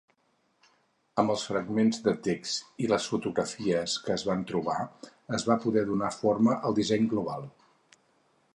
Amb els fragments de text i les fotografies que es van trobar es va poder donar forma al disseny global.